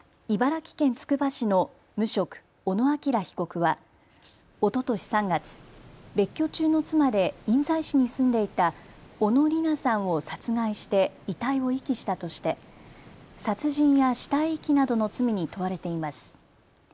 茨城県つくば市の無職、小野陽被告はおととし３月、別居中の妻で印西市に住んでいた小野理奈さんを殺害して遺体を遺棄したとして殺人や死体遺棄などの罪に問われています。